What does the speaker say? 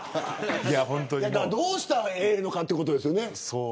どうしたらええのかというところですよね。